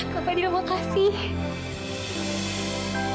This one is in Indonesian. kak fadil makasih